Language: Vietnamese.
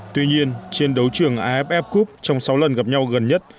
tuy nhiên trên đấu trường aff cup trong sáu lần gặp nhau gần nhất